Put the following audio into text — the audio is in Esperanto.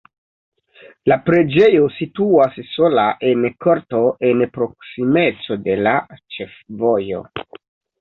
La preĝejo situas sola en korto en proksimeco de la ĉefvojo.